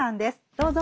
どうぞ。